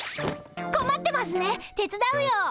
こまってますね手伝うよ。